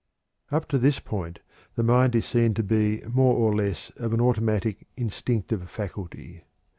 Up to this point the mind is seen to be more or less of an automatic, instinctive faculty.